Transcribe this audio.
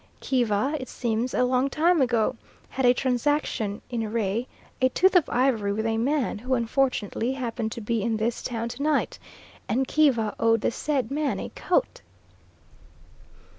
Kiva, it seems, a long time ago had a transaction in re a tooth of ivory with a man who, unfortunately, happened to be in this town to night, and Kiva owed the said man a coat.